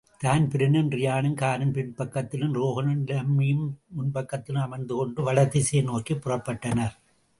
தான்பிரினும் ரியானும் காரின் பின் பக்கத்திலும், ஹோகனும் டாம்மியும் முன்பக்கத்திலும் அமர்ந்து கொண்டு, வடதிசைநோக்கிப் புறப்பட்டனர்.